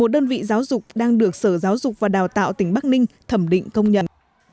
một đơn vị giáo dục đang được sở giáo dục và đào tạo tỉnh bắc ninh thẩm định công nhận